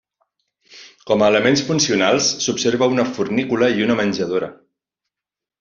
Com a elements funcionals s'observa una fornícula i una menjadora.